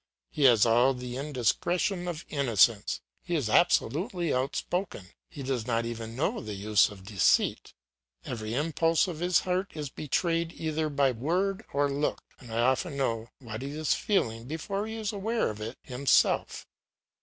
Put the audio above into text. He has all the indiscretion of innocence; he is absolutely out spoken; he does not even know the use of deceit. Every impulse of his heart is betrayed either by word or look, and I often know what he is feeling before he is aware of it himself.